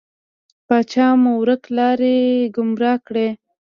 پاچا مو ورک لاری، ګمرا کړی.